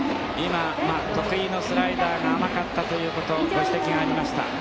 今得意のスライダーが甘かったということご指摘がありました。